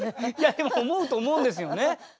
でも思うと思うんですよね。